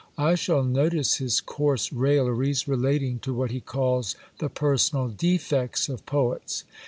I shall notice his coarse railleries relating to what he calls "the personal defects of poets."